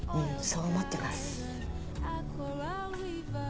そう思ってます。